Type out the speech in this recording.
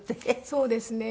そうですね。